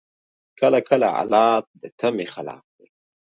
کله کله حالات د تمي خلاف وي.